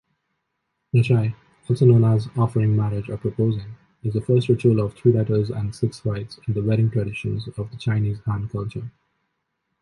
Nachai, also known as offering marriage or proposing, is the first ritual of Three Letters and Six Rites in the wedding traditions of the Chinese Han culture.